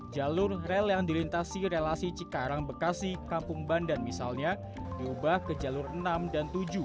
jalur rel yang dilintasi relasi cikarang bekasi kampung bandan misalnya diubah ke jalur enam dan tujuh